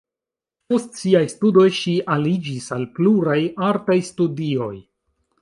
Post siaj studoj ŝi aliĝis al pluraj artaj studioj.